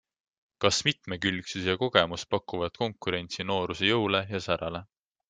Kas mitmekülgsus ja kogemus pakuvad konkurentsi nooruse jõule ja särale?